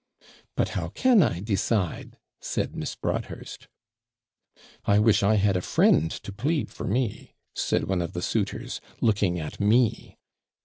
'"But how can I decide?" said Miss Broadhurst. '"I wish I had a friend to plead for me!" said one of the suitors, looking at me.